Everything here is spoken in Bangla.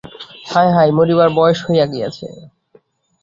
হায় হায়, মরিবার বয়স গিয়াছে।